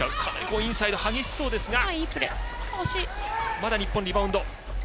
インサイド、激しそうですがまだ日本、リバウンド。